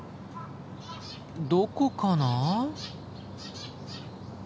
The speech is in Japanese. どこかな？